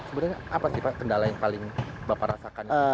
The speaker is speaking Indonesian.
sebenarnya apa sih pak kendala yang paling bapak rasakan